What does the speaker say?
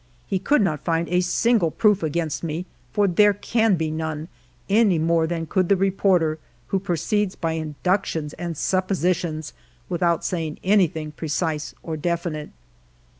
He could not find a single proof against me, for there can be none, any more than could the Reporter, who proceeds by induc tions and suppositions, without saying anything precise or definite."